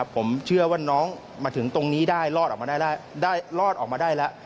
ผมเชื่อว่าน้องมาถึงตรงนี้ได้รอดออกมาได้แล้ว